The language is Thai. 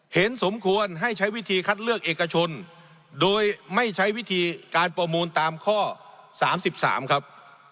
เห็นสมควรให้ใช้วิธีคัดเลือกเอกชนโดยไม่ใช้วิธีการประมูลตามข้อ๓๓ครับ